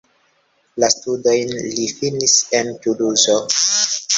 La studojn li finis en Tuluzo.